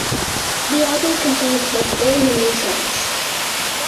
The album contains both old and new songs.